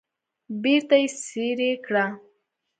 بیرته یې څیرې کړه.